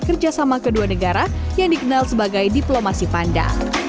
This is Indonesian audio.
kerjasama kedua negara yang dikenal sebagai diplomasi panda